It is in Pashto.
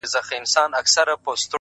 پرمختګ له آرامې سیمې بهر وي!